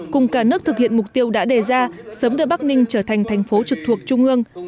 cùng cả nước thực hiện mục tiêu đã đề ra sớm đưa bắc ninh trở thành thành phố trực thuộc trung ương